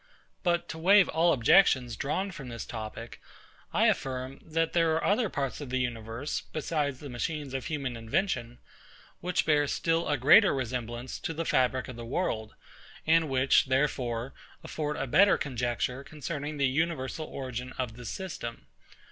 But to waive all objections drawn from this topic, I affirm, that there are other parts of the universe (besides the machines of human invention) which bear still a greater resemblance to the fabric of the world, and which, therefore, afford a better conjecture concerning the universal origin of this system.